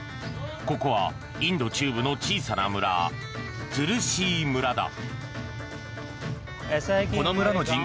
ここはインド中部の小さな村トゥルシー村だ。